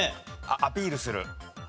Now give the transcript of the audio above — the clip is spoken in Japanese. アピールする。